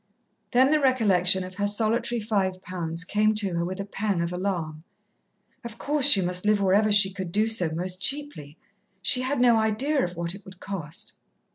Then the recollection of her solitary five pounds came to her with a pang of alarm. Of course, she must live wherever she could do so most cheaply. She had no idea of what it would cost.